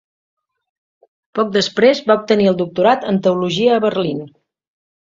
Poc després va obtenir el doctorat en teologia a Berlín.